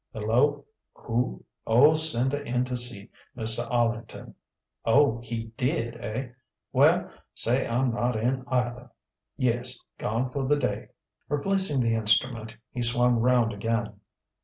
"Hello.... Who?... Oh, send her in to see Mr. Arlington.... Oh, he did, eh?... Well, say I'm not in either.... Yes, gone for the day." Replacing the instrument, he swung round again.